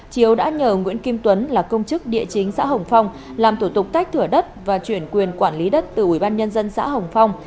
chiếu đã nhờ nguyễn kim tuấn là công chức địa chính xã hồng phong làm thủ tục tách thửa đất và chuyển quyền quản lý đất từ ubnd xã hồng phong